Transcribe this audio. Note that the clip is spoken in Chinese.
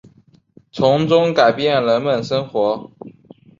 从中改变人们生活